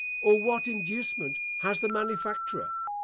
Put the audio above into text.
or what inducement has the manufacturer?